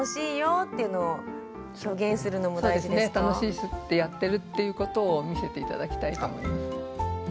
楽しいしってやってるっていうことを見せて頂きたいと思います。